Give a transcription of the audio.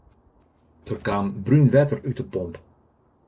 Der kaam brún wetter út de pomp.